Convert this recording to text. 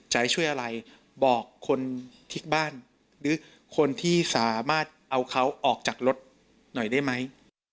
จะให้ช่วยอะไรบอกคนที่บ้านหรือคนที่สามารถเอาเขาออกจากรถหน่อยได้ไหม